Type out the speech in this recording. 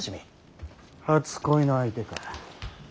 初恋の相手か。